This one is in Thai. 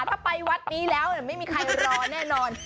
ถ้าไปวัดนี้แล้วไม่มีใครรอแน่นอน